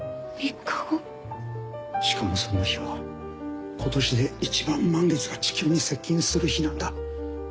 しかもその日は今年で一番満月が地球に接近する日なんだ。